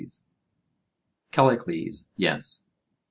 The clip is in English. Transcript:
CALLICLES: Yes.